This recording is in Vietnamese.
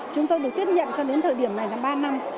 chúng tôi được tiếp nhận cho đến thời điểm này là ba năm